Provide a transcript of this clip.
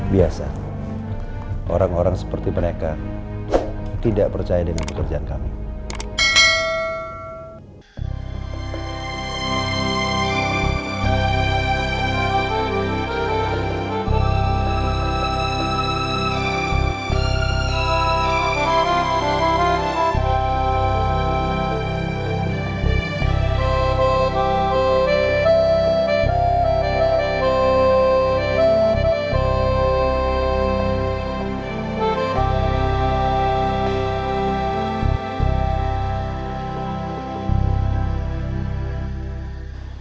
biasa orang orang seperti mereka tidak percaya dengan pekerjaan kami